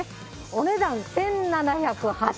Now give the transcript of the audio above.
お値段１７８０円。